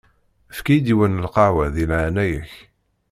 Efk-iyi-d yiwet n lqehwa di leɛnaya-k!